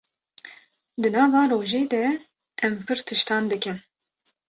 Di nava rojê de em pir tiştan dikin.